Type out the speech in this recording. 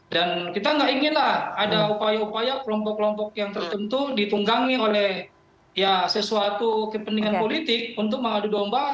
dan kita tidak inginlah ada upaya upaya kelompok kelompok yang tertentu ditunggangi oleh sesuatu kepentingan politik untuk mengadu domba